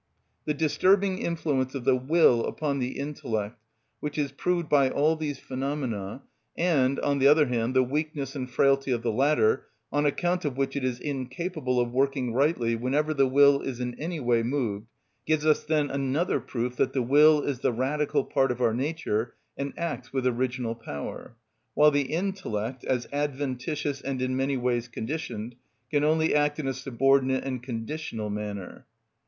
The disturbing influence of the will upon the intellect, which is proved by all these phenomena, and, on the other hand, the weakness and frailty of the latter, on account of which it is incapable of working rightly whenever the will is in any way moved, gives us then another proof that the will is the radical part of our nature, and acts with original power, while the intellect, as adventitious and in many ways conditioned, can only act in a subordinate and conditional manner.